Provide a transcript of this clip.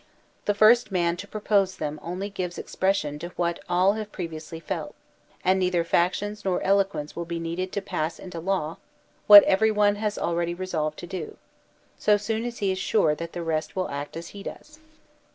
The first man to propose them only gives expression to what all have previously felt, and neither factions nor eloquence will be needed to pass into law what every one has already resolved to do, so soon as he is sure that the rest will act as he does.